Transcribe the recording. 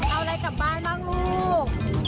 เอาอะไรกลับบ้านบ้างลูก